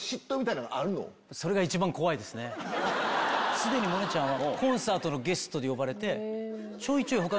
既に萌音ちゃんは。